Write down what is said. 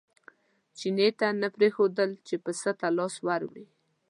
چیني نه پرېښودل چې پسه ته لاس ور وړي.